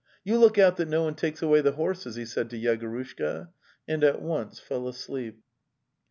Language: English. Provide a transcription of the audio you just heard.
"You look out that no one takes away the horses!' he said to Yegorushka, and at once fell asleep.